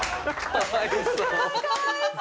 かわいそう。